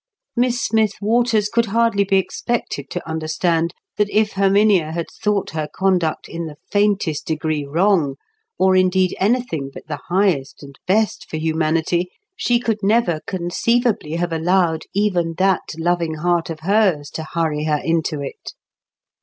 Miss Smith Waters could hardly be expected to understand that if Herminia had thought her conduct in the faintest degree wrong, or indeed anything but the highest and best for humanity, she could never conceivably have allowed even that loving heart of hers to hurry her into it.